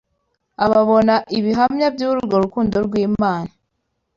Ababona ibihamya by’urwo rukundo rw’Imana